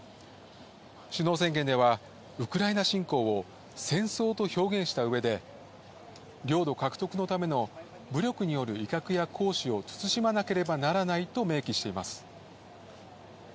首脳宣言では、ウクライナ侵攻を戦争と表現した上で、領土獲得のための武力による威嚇や行使を慎しまなければならないと明記しています。